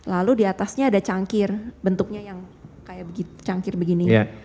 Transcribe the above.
lalu diatasnya ada cangkir bentuknya yang kayak cangkir begini